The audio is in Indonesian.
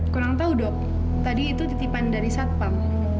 kurang tahu dok tadi itu titipan dari satpam